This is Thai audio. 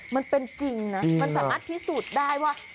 มันเป็นจริงนะมันสามารถพิสูจน์ได้ว่า